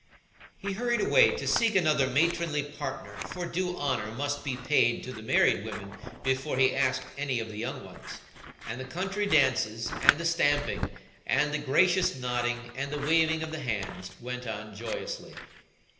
He hurried away to seek another matronly partner, for due honour must be paid to the married women before he asked any of the young ones; and the country dances, and the stamping, and the gracious nodding, and the waving of the hands, went on joyously.